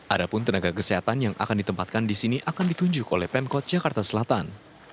ada pun tenaga kesehatan yang akan ditempatkan di sini akan ditunjuk oleh pemkot jakarta selatan